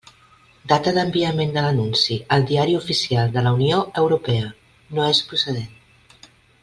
Data d'enviament de l'anunci al Diari Oficial de la Unió Europea: no és procedent.